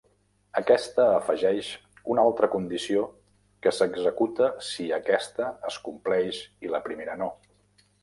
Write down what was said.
Aquesta afegeix una altra condició que s'executa si aquesta es compleix i la primera no.